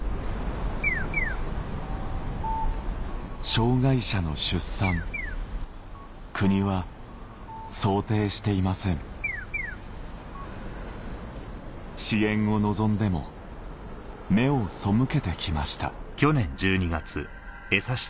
障害者の出産国は想定していません支援を望んでも目を背けてきました